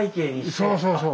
そうそうそう。